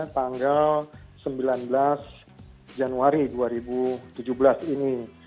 tanggal sembilan belas januari dua ribu tujuh belas ini